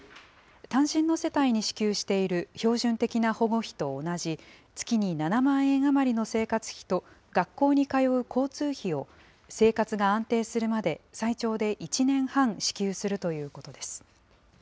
単身の世帯に支給している標準的な保護費と同じ、月に７万円余りの生活費と、学校に通う交通費を、生活が安定するまで最長で１年半、支給するということです。